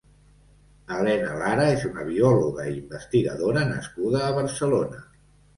Elena Lara és una biologa i investigadora nascuda a Barcelona.